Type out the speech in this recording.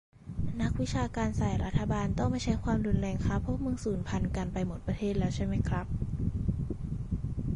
นักวิชาการสาย "รัฐบาลต้องไม่ใช้ความรุนแรง" ครับ พวกมึงสูญพันธุ์กันไปหมดประเทศแล้วใช่มั้ยครับ ?